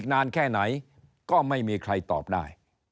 นานแค่ไหนก็ไม่มีใครตอบได้